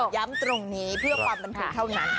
ย้ำตรงนี้เพื่อความบันเทิงเท่านั้น